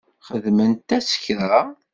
Xedment-as kra?